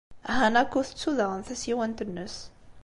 Hanako tettu daɣen tasiwant-nnes.